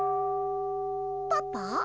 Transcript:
パパ？